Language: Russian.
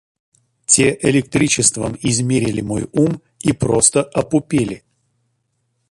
Те электричеством измерили мой ум и просто опупели.